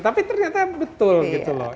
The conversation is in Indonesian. tapi ternyata betul gitu loh